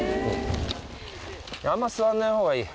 あんまり座らない方がいい。